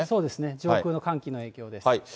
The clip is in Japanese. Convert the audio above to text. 上空の寒気の影響です。